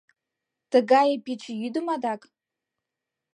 Тыгае пич йӱдым адак?